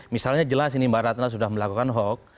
misalnya jelas ini mbak ratna sudah melakukan hoax